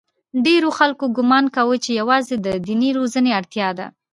ډېرو خلکو ګومان کاوه چې یوازې د دیني روزنې اړتیا ده.